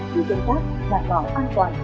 đối tượng khác đảm bảo an toàn